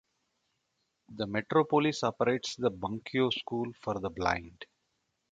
The metropolis operates the Bunkyo School for the Blind.